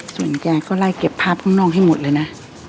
ส่วนแกก็ไล่เก็บภาพข้างนอกให้หมดเลยนะ